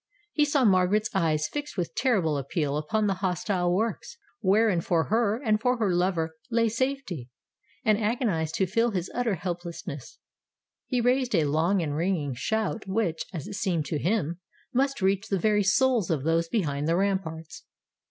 He saw Margaret's eyes fixed with terrible appeal upon the hostile works, wherein for her and for her lover lay safety; and agonized to feel his utter helplessness, he raised a long and ringing shout which, as it seemed to him, must reach the very souls of those behind the ramparts.